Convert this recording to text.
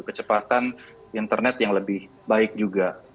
kecepatan internet yang lebih baik juga